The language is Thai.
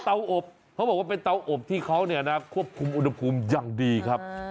เขาบอกว่าเป็นเตาอบที่เขาควบคุมอุณหภูมิอย่างดีครับ